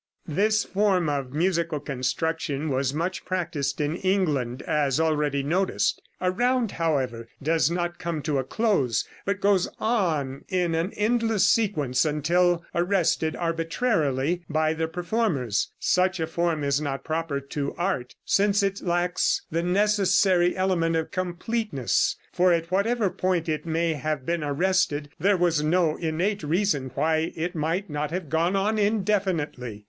This form of musical construction was much practiced in England, as already noticed. A round, however, does not come to a close, but goes on in an endless sequence until arrested arbitrarily by the performers. Such a form is not proper to art, since it lacks the necessary element of completeness, for at whatever point it may have been arrested there was no innate reason why it might not have gone on indefinitely.